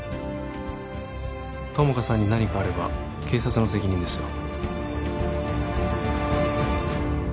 友果さんに何かあれば警察の責任ですよ